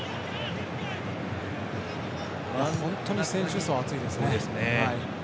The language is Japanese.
本当に選手層厚いですね。